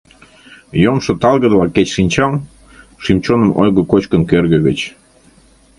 Йомшо талгыдыла кеч шинчал: шӱм-чоным ойго кочкын кӧргӧ гыч.